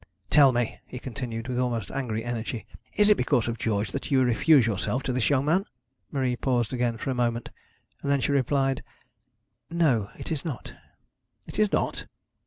'Tell me,' he continued, with almost angry energy, 'is it because of George that you refuse yourself to this young man?' Marie paused again for a moment, and then she replied, 'No, it is not.' 'It is not?'